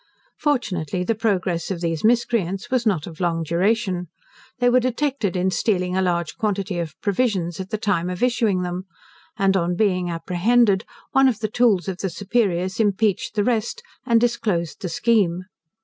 Fortunately the progress of these miscreants was not of long duration. They were detected in stealing a large quantity of provisions at the time of issuing them. And on being apprehended, one of the tools of the superiors impeached the rest, and disclosed the scheme.